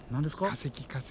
化石化石。